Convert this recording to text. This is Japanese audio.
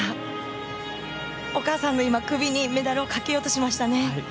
お母さんの今、首にメダルをかけようとしましたね。